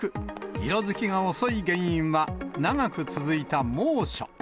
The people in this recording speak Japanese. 色づきが遅い原因は長く続いた猛暑。